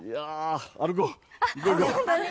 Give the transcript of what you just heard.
歩こう、行こう、行こう。